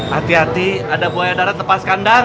hati hati ada buaya darat lepas kandang